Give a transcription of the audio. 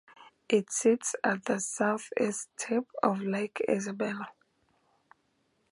It sits at the southeast tip of Lake Isabella.